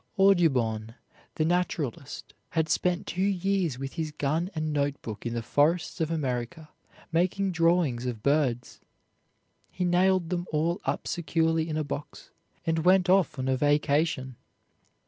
Audubon, the naturalist, had spent two years with his gun and note book in the forests of America, making drawings of birds. He nailed them all up securely in a box and went off on a vacation.